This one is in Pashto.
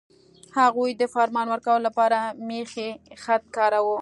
هغوی د فرمان ورکولو لپاره میخي خط کاراوه.